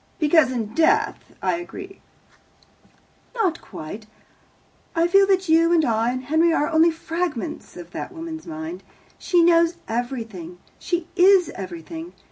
"Because in death I agree." "Not quite. I feel that you and I and Henry are only fragments of that woman's mind. She knows everything. She is everything.